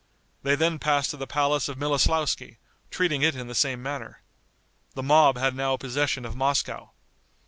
They then passed to the palace of Miloslauski, treating it in the same manner. The mob had now possession of Moscow.